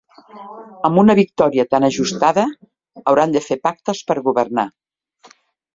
Amb una victòria tan ajustada hauran de fer pactes per governar.